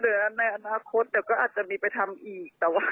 เดือนหอนาคตเดี๋ยวก็อาจจะมีไปทำอีก